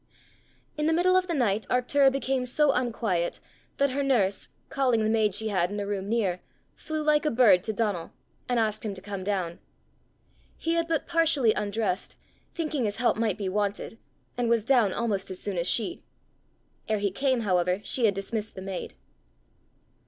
In the middle of the night Arctura became so unquiet, that her nurse, calling the maid she had in a room near, flew like a bird to Donal, and asked him to come down. He had but partially undressed, thinking his help might be wanted, and was down almost as soon as she. Ere he came, however, she had dismissed the maid.